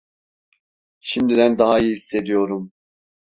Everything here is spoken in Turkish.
Şimdiden daha iyi hissediyorum.